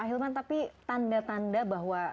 ahilman tapi tanda tanda bahwa